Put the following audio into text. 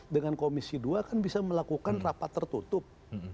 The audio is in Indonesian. dengan komisi dua kan bisa melakukan rapat tertutup